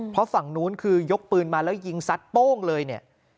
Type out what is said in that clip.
เพราะฝั่งนู้นคือยกปืนมาแล้วยิงซัดโป้งเลยเนี่ย